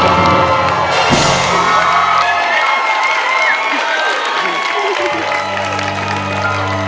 แม่พ่มือละหะ